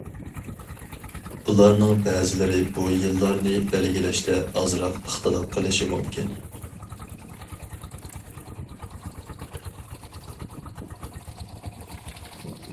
بۇلارنىڭ بەزىلىرى بۇ يىللارنى بەلگىلەشتە ئازراق ئىختىلاپ قىلىشى مۇمكىن.